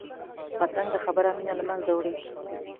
بدرنګه خبره مینه له منځه وړي